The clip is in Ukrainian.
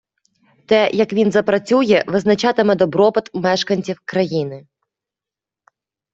Те, як він запрацює, визначатиме добробут мешканців країни